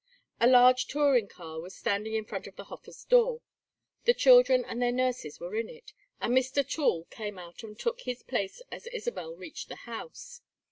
A large touring car was standing in front of the Hofers' door. The children and their nurses were in it, and Mr. Toole came out and took his place as Isabel reached the house.